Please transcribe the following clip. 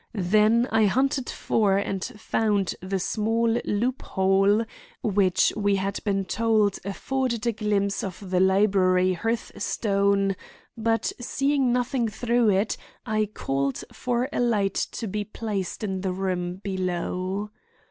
Then I hunted for and found the small loophole which we had been told afforded a glimpse of the library hearthstone; but seeing nothing through it, I called for a light to be placed in the room below.